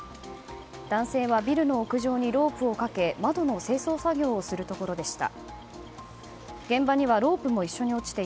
男性はビルの屋上にロープをかけ窓の清掃作業をするところでした。